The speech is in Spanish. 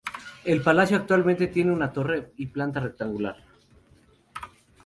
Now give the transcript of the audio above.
El palacio actualmente tiene una torre y planta rectangular.